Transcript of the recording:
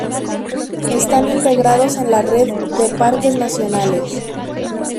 Están integrados en la Red de Parques Nacionales.